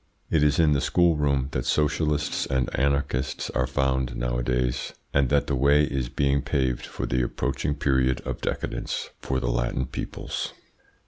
It is in the schoolroom that socialists and anarchists are found nowadays, and that the way is being paved for the approaching period of decadence for the Latin peoples.